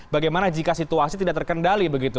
bagaimana jika situasi tidak terkendali begitu